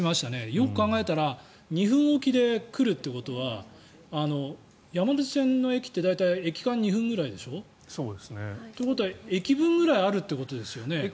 よく考えたら２分おきで来るっていうことは山手線の駅って大体、駅間２分ぐらいでしょ？ということは駅分ぐらいあるということですよね。